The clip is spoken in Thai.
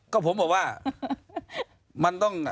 ก็ผมบอกว่ามันต้อง